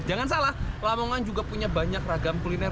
jangan salah lamongan juga punya banyak ragam kuliner